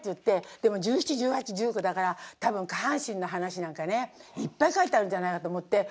でも１７１８１９だから多分下半身の話なんかねいっぱい書いてあるんじゃないかと思って「お父さんごめんなさい。